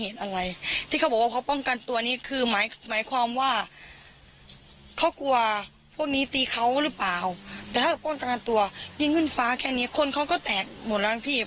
แต่ถ้าป้องกันตัวยิ่งขึ้นฟ้าแค่นี้คนเขาก็แตกหมดแล้วนะพี่